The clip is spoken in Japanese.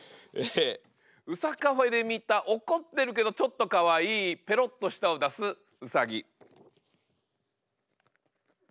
ウサカフェで見た怒ってるけどちょっとかわいいペロッと舌を出すウサギ。